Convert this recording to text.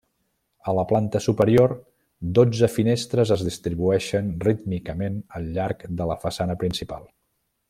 A la planta superior, dotze finestres es distribueixen rítmicament al llarg de la façana principal.